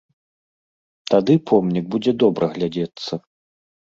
Тады помнік будзе добра глядзецца.